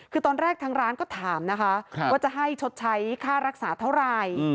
คือตอนแรกทางร้านก็ถามนะคะว่าจะให้ชดใช้ค่ารักษาเท่าไหร่